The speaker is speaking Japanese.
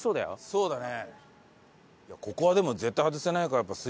そうだね。